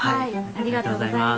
ありがとうございます。